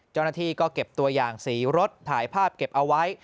เจ้าหน้าที่ก็เก็บตัวอย่างสีรถถ่ายภาพเก็บเอาไว้